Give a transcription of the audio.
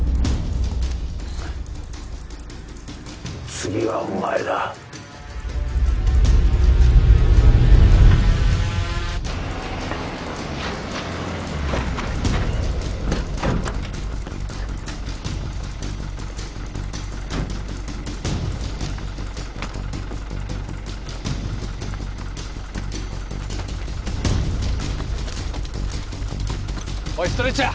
次はお前だおいストレッチャー！